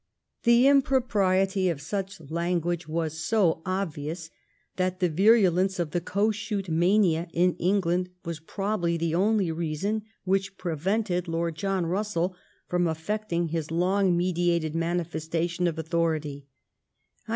The impropriety of such language was so obvious, that the virulence of the Kossuth mania in England was probably the only reason which prevented Lord John Russell from effecting his long meditated manifestation of authority.